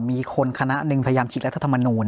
มีคนคณะหนึ่งพยายามฉีดรัฐธรรมนูล